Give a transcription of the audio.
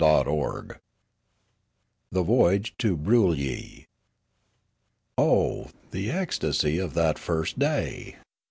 CHAPTER XXX THE VOYAGE TO BROOLYI OH, the ecstasy of that first day